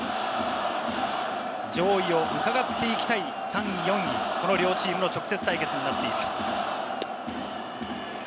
上位を伺っていきたい、３位、４位、この両チームの直接対決になっています。